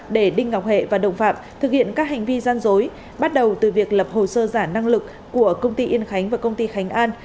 để đinh ngọc hệ và đồng phạm thực hiện các hành vi gian dối bắt đầu từ việc lập hồ sơ giả năng lực của công ty yên khánh và công ty khánh an